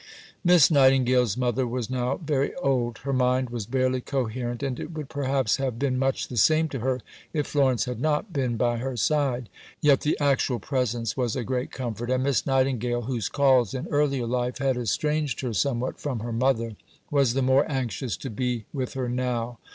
Miss Nightingale's mother was now very old; her mind was barely coherent; and it would perhaps have been much the same to her if Florence had not been by her side. Yet the actual presence was a great comfort; and Miss Nightingale, whose calls in earlier life had estranged her somewhat from her mother, was the more anxious to be with her now.